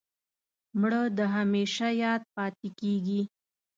مړه د همېشه یاد پاتېږي